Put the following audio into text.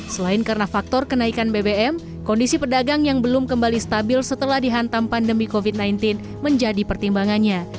selain karena faktor kenaikan bbm kondisi pedagang yang belum kembali stabil setelah dihantam pandemi covid sembilan belas menjadi pertimbangannya